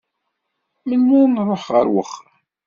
Melmi ad nruḥ ɣer uxxam?